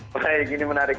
baik ini menarik